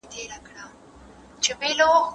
دوی هڅه کوي له دې لارې ګټه واخلي.